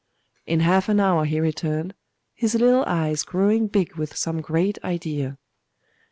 In half an hour he returned, his little eyes growing big with some great idea.